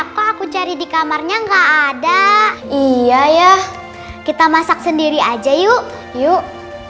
kok aku cari di kamarnya enggak ada iya ya kita masak sendiri aja yuk